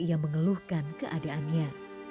ia mengeluhkan keadaannya